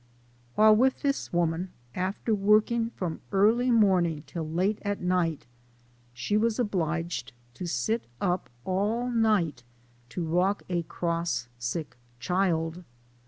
While with this woman, after working from early LIFE OF HARRIET TUBMAN. 13 morning till late at night, she was obliged to sit up all nio ht to rock a cross, sick child.